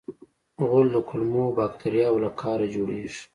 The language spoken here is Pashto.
غول د کولمو باکتریاوو له کاره جوړېږي.